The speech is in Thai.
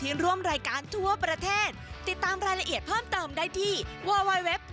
โอ้ยโบด่ำดีวะ